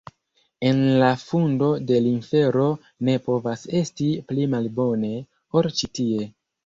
En la fundo de l' infero ne povas esti pli malbone, ol ĉi tie.